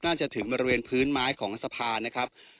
ถึงจะถึงบริเวณพื้นไม้ของสะพานนะครับ